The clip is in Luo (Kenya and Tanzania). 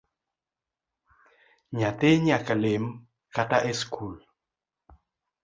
Nyathi nyaka lem kata esikul